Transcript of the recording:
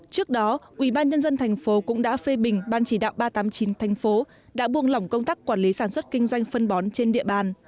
trước đó ubnd tp cũng đã phê bình ban chỉ đạo ba trăm tám mươi chín thành phố đã buông lỏng công tác quản lý sản xuất kinh doanh phân bón trên địa bàn